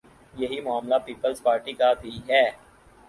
یہی معاملہ پیپلزپارٹی کا بھی ہے۔